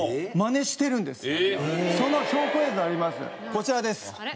こちらです。